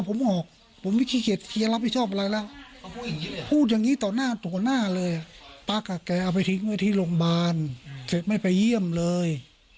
พ่อบอกว่าที่โรงพยาบาลเสร็จไม่ไปเยี่ยมเลย